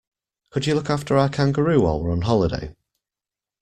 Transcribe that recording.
Could you look after our kangaroo while we're on holiday?